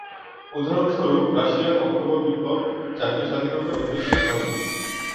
উদাহরণস্বরূপ রাশিয়ার অক্টোবর বিপ্লব, জাতীয় স্বাধীনতার উদ্দেশ্যে হয়নি।